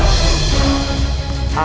aku membaw dia